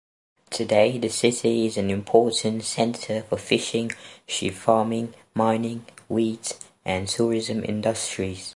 Today, the city is an important center for fishing, sheep farming, mining, wheat, and tourism industries.